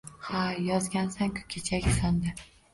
Ha, yozgansan-ku kechagi sonda